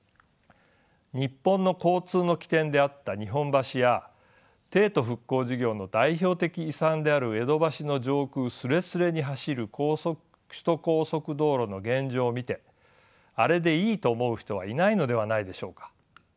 日本の交通の起点であった日本橋や帝都復興事業の代表的遺産である江戸橋の上空すれすれに走る首都高速道路の現状を見てあれでいいと思う人はいないのではないでしょうか。